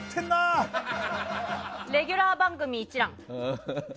レギュラー番組の一覧。